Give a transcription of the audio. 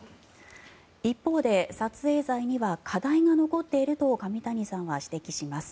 一方で、撮影罪には課題が残っていると上谷さんは指摘します。